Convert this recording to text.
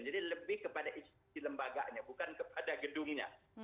jadi lebih kepada istri lembaganya bukan kepada gedungnya